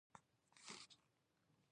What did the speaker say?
هغې په تطبیقي ادبیاتو کې دوکتورا کړې ده.